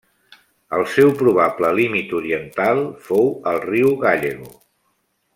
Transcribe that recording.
El seu probable límit oriental fou el riu Gallego.